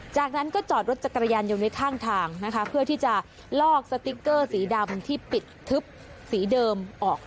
จากนั้นก็จอดรถจักรยานยนต์ไว้ข้างทางนะคะเพื่อที่จะลอกสติ๊กเกอร์สีดำที่ปิดทึบสีเดิมออก